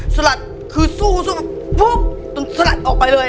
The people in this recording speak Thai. จนแบบให้สลัดออกให้ได้น่ะ